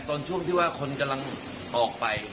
ช่วงที่ว่าคนกำลังออกไป